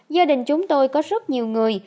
gia đình chúng tôi có rất nhiều người